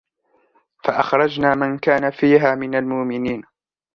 فأخرجنا من كان فيها من المؤمنين